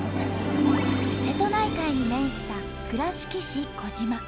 瀬戸内海に面した倉敷市児島。